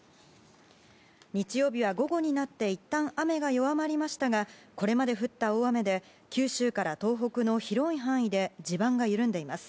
日曜日は午後になっていったん雨が弱まりましたがこれまで降った大雨で九州から東北の広い範囲で地盤が緩んでいます。